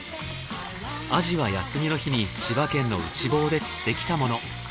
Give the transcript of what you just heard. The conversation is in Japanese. アジは休みの日に千葉県の内房で釣ってきたもの。